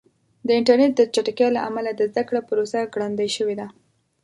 د انټرنیټ د چټکتیا له امله د زده کړې پروسه ګړندۍ شوې ده.